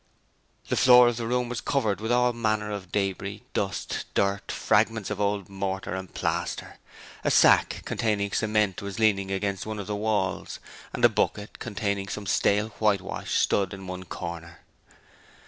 The floor of the room was covered with all manner of debris, dust, dirt, fragments of old mortar and plaster. A sack containing cement was leaning against one of the walls, and a bucket containing some stale whitewash stood in one corner.